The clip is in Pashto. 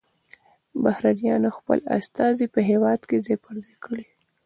بهرنیانو خپل استازي په هیواد کې ځای پر ځای کړي